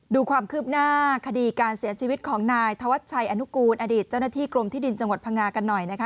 ดูความคืบหน้าคดีการเสียชีวิตของนายธวัชชัยอนุกูลอดีตเจ้าหน้าที่กรมที่ดินจังหวัดพังงากันหน่อยนะคะ